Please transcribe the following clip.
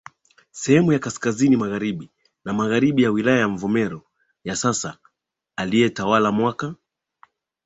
sehemu ya Kaskazini Magharibi na Magharibi ya wilaya ya Mvomero ya sasa aliyetawala mwaka